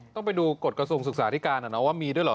ต้องไปดูกฎกระทรวงศึกษาธิการว่ามีด้วยเหรอ